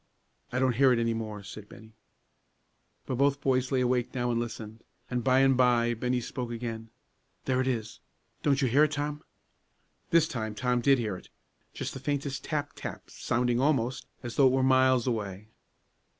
"I don't hear it any more," said Bennie. But both boys lay awake now and listened; and by and by Bennie spoke again, "There it is; don't you hear it, Tom?" This time Tom did hear it; just the faintest tap, tap, sounding, almost, as though it were miles away.